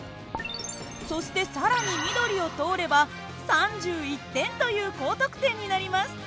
そして更に緑を通れば３１点という高得点になります。